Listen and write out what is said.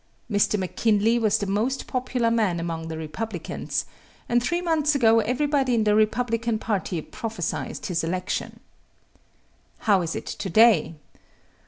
Mr. McKinley was the most popular man among the Republicans, and three months ago everybody in the Republican party prophesied his election. How is it today?